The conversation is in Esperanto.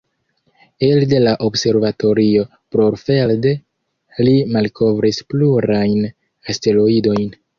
Elde la Observatorio Brorfelde, li malkovris plurajn asteroidojn.